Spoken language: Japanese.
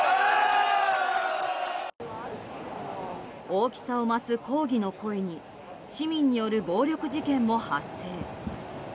大きさを増す抗議の声に市民による暴力事件も発生。